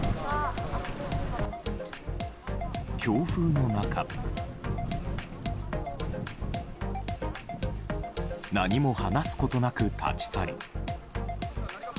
強風の中何も話すことなく立ち去り。